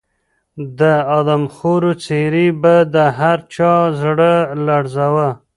د آدمخورو څېرې به د هر چا زړه لړزاوه.